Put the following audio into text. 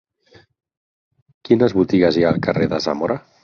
Quines botigues hi ha al carrer de Zamora?